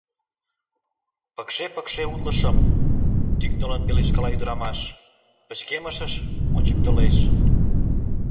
Пыкше-пыкше утлышым... — тӱкнылын пелешткала ӱдырамаш, пычкемышыш ончыктылеш.